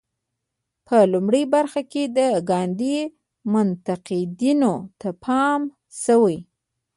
په لومړۍ برخه کې د ګاندي منتقدینو ته پام شوی.